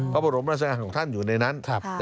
พระบรมราชการของท่านอยู่ในนั้น